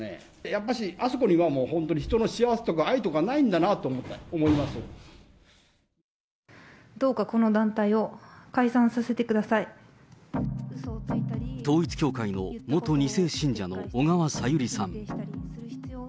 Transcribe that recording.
やっぱしあそこには本当に人の幸せとか愛とかないんだなと思いまどうかこの団体を解散させて統一教会の元２世信者の小川さゆりさん。